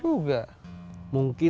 lu ya tau gitu